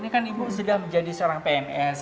ini kan ibu sudah menjadi seorang pns